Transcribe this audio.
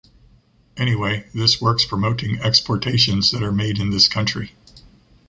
Anyway, this works promoting exportations that are made in this country.